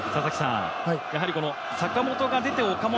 この坂本が出て岡本